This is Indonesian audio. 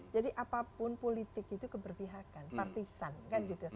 apapun politik itu keberpihakan partisan kan gitu